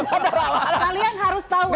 kalian harus tau ini